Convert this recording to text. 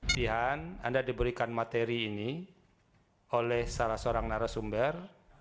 pilihan anda diberikan materi ini oleh salah seorang narasumber